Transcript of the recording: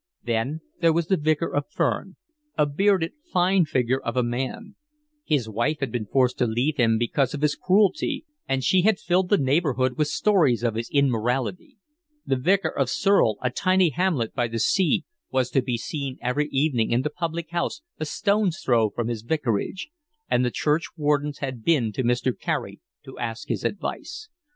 Then there was the Vicar of Ferne, a bearded, fine figure of a man: his wife had been forced to leave him because of his cruelty, and she had filled the neighbourhood with stories of his immorality. The Vicar of Surle, a tiny hamlet by the sea, was to be seen every evening in the public house a stone's throw from his vicarage; and the churchwardens had been to Mr. Carey to ask his advice.